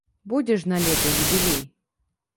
Будзе ж налета юбілей!